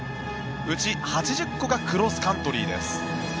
うち８０個がクロスカントリーです。